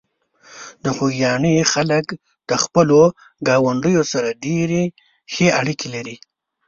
د خوږیاڼي خلک د خپلو ګاونډیو سره ډېرې ښې اړیکې لري.